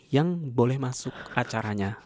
yang boleh masuk acaranya